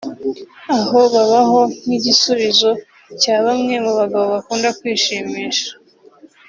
aho babaho nk’igisubizo cya bamwe mu bagabo bakunda kwishimisha